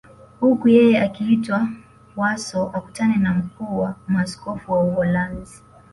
Huku yeye akiitwa Warsaw akutane na mkuu wa maaskofu wa Uholanzi